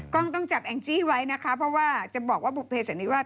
กล้องต้องจับแองจี้ไว้นะคะเพราะว่าจะบอกว่าบุเภสันนิวาส